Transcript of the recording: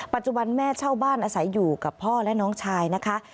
ปัจจุบันแม่เช่าบ้านอาศัยอยู่กับพ่อและน้องชายนะคะ